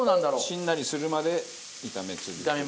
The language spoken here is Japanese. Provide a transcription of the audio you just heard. しんなりするまで炒め続ける。